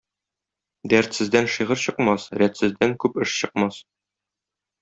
Дәртсездән шигырь чыкмас, рәтсездән күп эш чыкмас.